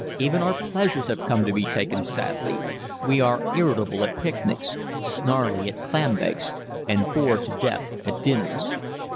Even our pleasures have come to be taken sadly. We are irritable at picnics, snarly at clambakes, and bored to death at dinners.